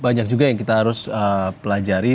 banyak juga yang kita harus pelajari